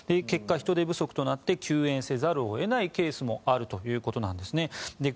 結果、人手不足となって休園せざるを得ないケースもあるということなんですね。